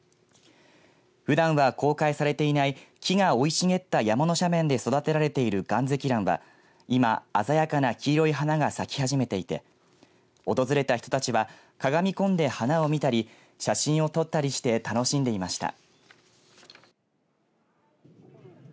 ふだんは公開されていない木が生い茂った山の斜面で育てられているガンゼキランは今、鮮やかな黄色い花が咲き始めていて訪れた人たちはかがみ込んで花を見たり写真を撮ったりして楽しんでいました。